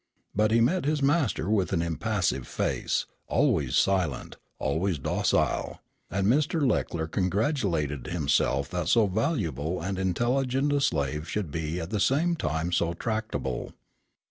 But he met his master with an impassive face, always silent, always docile; and Mr. Leckler congratulated himself that so valuable and intelligent a slave should be at the same time so tractable.